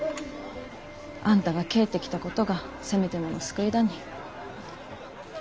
あんたが帰ってきたことがせめてもの救いだに。